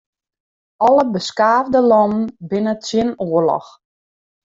Alle beskaafde lannen binne tsjin oarloch.